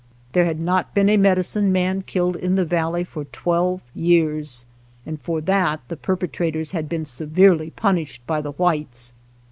There had not been a medicine man killed in the valley for twelve years, and for that the perpetrators had been severely punished by the whites.